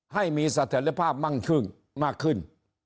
ให้มีสถานภาพบางถึงมากขึ้น